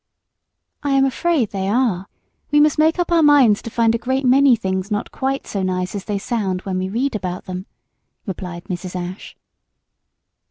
"I am afraid they are. We must make up our minds to find a great many things not quite so nice as they sound when we read about them," replied Mrs. Ashe.